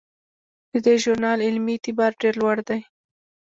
د دې ژورنال علمي اعتبار ډیر لوړ دی.